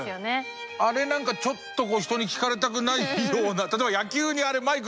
あれ何かちょっと人に聞かれたくないような。